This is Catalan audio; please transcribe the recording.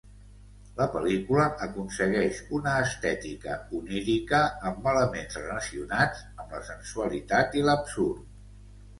La pel·lícula aconsegueix una estètica onírica amb elements relacionats amb la sensualitat i l'absurd.